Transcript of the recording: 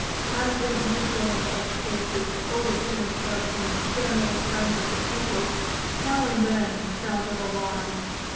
As is usual in such cases, over timid persons, generally friends of the pupils, now and then sounded alarms.